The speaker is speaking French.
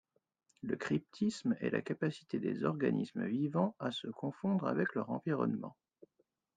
Le cryptisme est la capacité des organismes vivants à se confondre avec leur environnement.